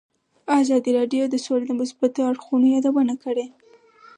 ازادي راډیو د سوله د مثبتو اړخونو یادونه کړې.